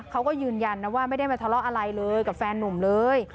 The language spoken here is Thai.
เขาก็ยืนยันนะว่าไม่ได้มาทะเลาะอะไรเลยกับแฟนนุ่มเลย